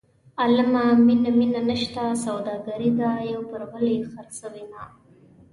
عالمه مینه مینه نشته سوداګري ده یو پر بل یې خرڅوینه.